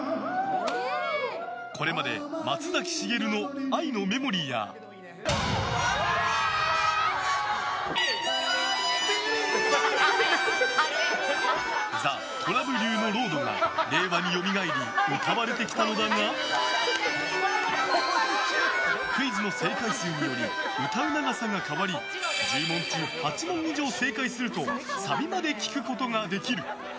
これまで、松崎しげるの「愛のメモリー」やＴＨＥ虎舞竜の「ロード」が令和によみがえり歌われてきたのだがクイズの正解数により歌う長さが変わり１０問中８問以上正解するとサビまで聴くことができる。